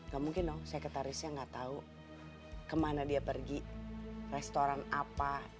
gak mungkin dong sekretarisnya nggak tahu kemana dia pergi restoran apa